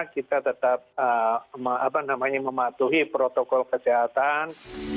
kita tetap mematuhi protokol kesehatan